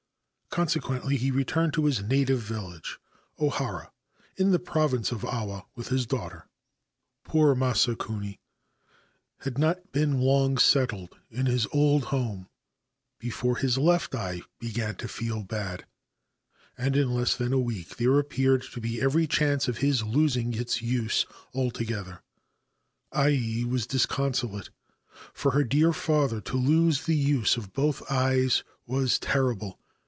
Consequently, he returned to his native village, Ohara, in the province of Awa, with his daughter. Poor Masakuni had not been long settled in his old home before his left eye began to feel bad, and in less than a week there appeared to be every chance of his losing its use altogether. Ai was disconsolate. For her dear father to lose the use of both eyes was terrible.